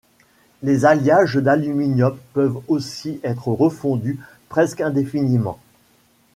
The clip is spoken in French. Les alliages d'aluminium peuvent aussi être refondus presque indéfiniment.